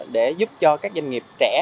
để giúp cho các doanh nghiệp trẻ